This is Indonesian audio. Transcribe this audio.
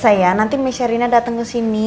sayang nanti mesyarina dateng kesini